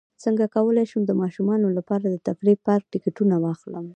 څنګه کولی شم د ماشومانو لپاره د تفریحي پارک ټکټونه واخلم